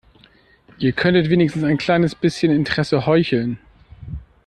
Ihr könntet wenigstens ein kleines bisschen Interesse heucheln.